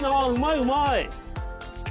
うまいうまい！